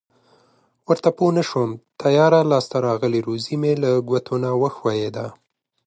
ورته پوه نشوم تیاره لاس ته راغلې روزي مې له ګوتو نه و ښویېده.